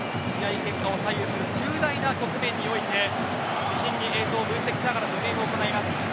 結果を左右する重大な得点において映像を分析しながら検証を行います。